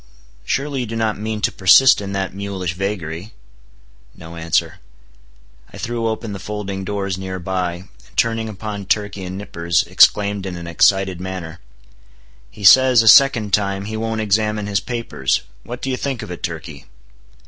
Surely you do not mean to persist in that mulish vagary?" No answer. I threw open the folding doors near by, and turning upon Turkey and Nippers, exclaimed in an excited manner— "He says, a second time, he won't examine his papers. What do you think of it, Turkey?"